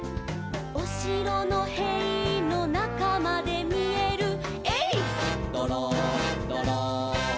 「おしろのへいのなかまでみえる」「えいっどろんどろん」